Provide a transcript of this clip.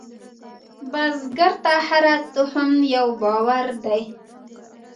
بزګر ته هره تخم یو باور دی